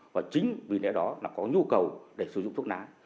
và chính vì thế đó là có nhu cầu để sử dụng thuốc lá